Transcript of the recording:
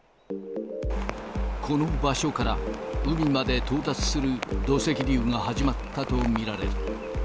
この場所から海まで到達する土石流が始まったと見られる。